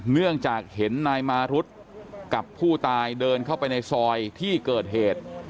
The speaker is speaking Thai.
เนื่องจากเห็นนายมารุธกับผู้ตายเดินเข้าไปในซอยที่เกิดเหตุ